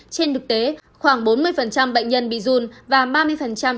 trên đực tế khoảng bốn mươi bệnh nhân bị rung và ba mươi bệnh nhân bị rung